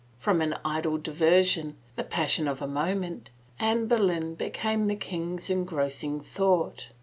From an idle diversion, the passion of a mo ment, Anne Boleyn became the king's engrossing thought.